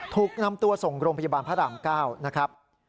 ถูกนำตัวส่งโรงพยาบาลพระราม๙นะครับ